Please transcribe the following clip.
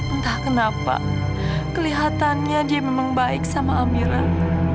entah kenapa kelihatannya dia memang baik sama amiran